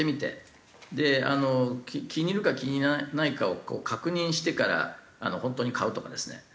で気に入るか気に入らないかを確認してから本当に買うとかですね。